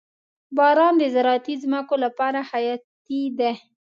• باران د زراعتي ځمکو لپاره حیاتي دی.